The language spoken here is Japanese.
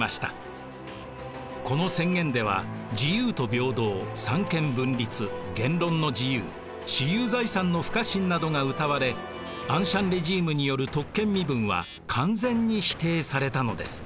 この宣言では自由と平等三権分立言論の自由私有財産の不可侵などがうたわれアンシャン・レジームによる特権身分は完全に否定されたのです。